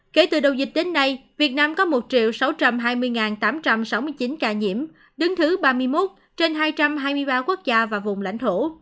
kể từ đầu dịch đến nay việt nam có một sáu trăm hai mươi tám trăm sáu mươi chín ca nhiễm đứng thứ ba mươi một trên hai trăm hai mươi ba quốc gia và vùng lãnh thổ